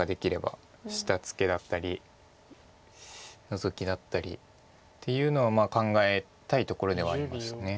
下ツケだったりノゾキだったりっていうのは考えたいところではあります。